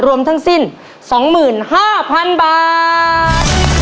รวมทั้งสิ้น๒๕๐๐๐บาท